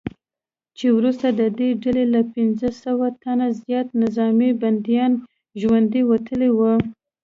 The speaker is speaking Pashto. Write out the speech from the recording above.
چې ورڅخه ددې ډلې له پنځه سوه تنه زیات نظامي بندیان ژوندي وتلي وو